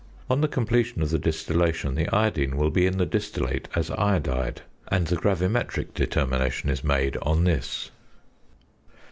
On the completion of the distillation, the iodine will be in the distillate as iodide; and the gravimetric determination is made on this.